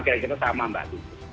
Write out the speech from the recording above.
kira kira sama mbak